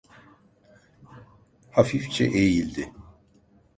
Hafifçe eğildi.